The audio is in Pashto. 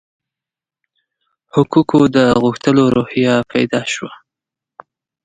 حقوقو د غوښتلو روحیه پیدا شوه.